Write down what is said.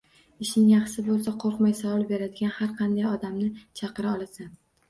Ishing yaxshi boʻlsa qoʻrqmay, savol beradigan har qanday odamni chaqira olasan.